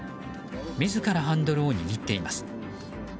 自らハンドルを握っています。